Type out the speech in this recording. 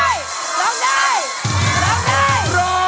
ร้องได้